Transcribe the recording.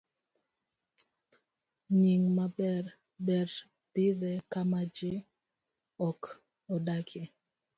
B. Nying maber. Ber pidhe kama ji ok odakie.